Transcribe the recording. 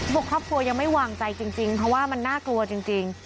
บอกครอบครัวยังไม่วางใจจริงเพราะว่ามันน่ากลัวจริง